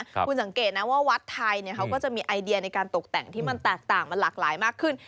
คุณสังเกตนะว่าวัดไทยเขาก็จะมีไอเดียในการตกแต่งที่มันแตกต่างมันหลากหลายมากขึ้น